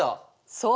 そう。